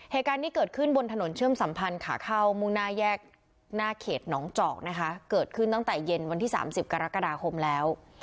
เหตุการณ์นี้เกิดขึ้นบนถนนเชื่อมสัมพันธ์ขาเข้ามุ่งหน้าแยกหน้าเขตหนองจอกนะคะเกิดขึ้นตั้งแต่เย็นวันที่๓๐กรกฎาคมแล้ว